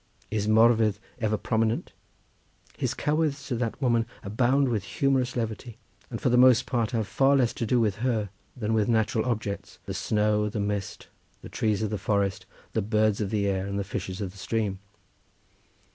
Is Morfudd ever prominent? His cowydds to that woman abound with humorous levity, and for the most part have far less to do with her than with natural objects—the snow, the mist, the trees of the forest, the birds of the air, and the fishes of the stream.